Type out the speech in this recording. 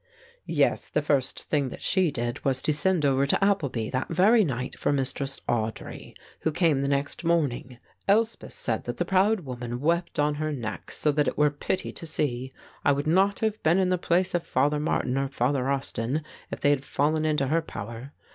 "Yes, the first thing that she did was to send over to Appleby that very night for Mistress Audry, who came the next morning. Elspeth said that the proud woman wept on her neck, so that it were pity to see. I would not have been in the place of Father Martin or Father Austin if they had fallen into her power.